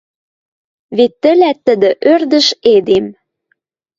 Вет тӹлӓт тӹдӹ ӧрдӹж эдем...»